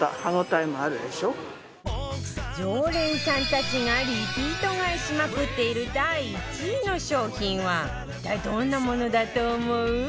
常連さんたちがリピート買いしまくっている第１位の商品は一体どんなものだと思う？